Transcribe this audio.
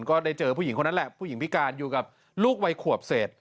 ก็ได้เจอผู้หญิงคนนั้นแหละผู้หญิงพิการอยู่กับลูกวัยขวบเศษ